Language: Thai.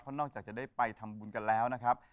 นอกจากจะได้ไปทำบุญกันแล้วนะครับ